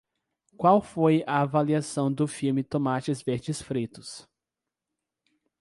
Qual foi a avaliação do filme Tomates Verdes Fritos?